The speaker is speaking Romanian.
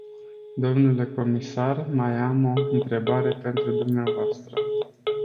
Dle comisar, mai am o întrebare pentru dvs.